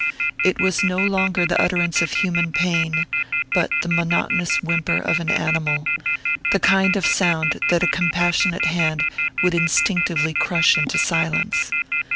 It was no longer the utterance of human pain, but the monotonous whimper of an animal the kind of sound that a compassionate hand would instinctively crush into silence.